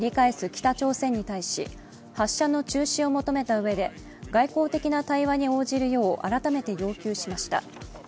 北朝鮮に対し発射の中止を求めたうえで、外交的な対話に応じるよう改めて要求しました。